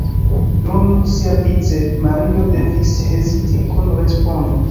Nun siavice Mario devis heziti kun respondo.